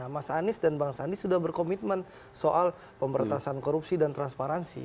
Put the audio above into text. mas anies dan bang sandi sudah berkomitmen soal pemberantasan korupsi dan transparansi